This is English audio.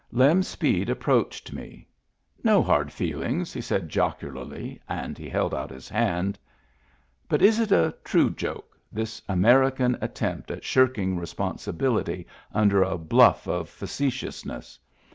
Lem Speed approached me. " No hard feel ings," he said jocularly, and he held out his hand. But is it a true joke — this American attempt at shirking responsibility under a bluflF of face tiousness